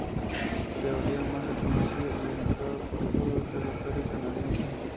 Teoría más reconocida y alentada por todo el territorio canadiense.